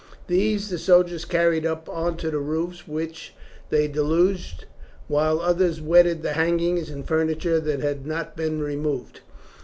These the soldiers carried up on to the roofs, which they deluged, while others wetted the hangings and furniture that had not been removed.